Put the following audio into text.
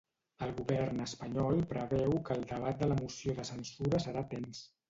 El govern espanyol preveu que el debat de la moció de censura serà tens.